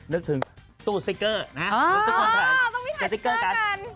นึกถึงตู้ซิกเกอร์นะทุกคนถ่ายซิกเกอร์กัน